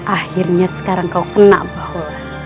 akhirnya sekarang kau kena bahwa